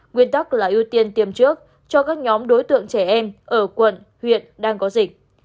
nguyên tắc là ưu tiên tiêm trước cho các nhóm đối tượng trẻ em ở quận huyện đang có dịch